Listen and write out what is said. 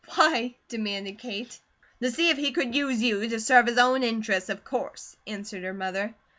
"Why?" demanded Kate. "To see if he could use you to serve his own interests, of course," answered her mother.